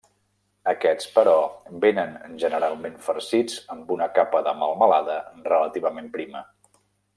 Aquests, però, vénen generalment farcits amb una capa de melmelada relativament prima.